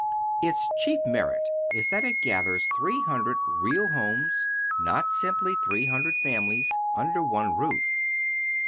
Its chief merit is that it gathers three hundred real homes, not simply three hundred families, under one roof.